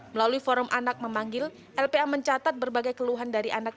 melalui forum anak memanggil lpa mencatat berbagai keluhan dari anak